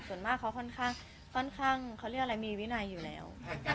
ส่วนมากเขาก็ค่อนข้างใช้วินาทีอยู่แล้ว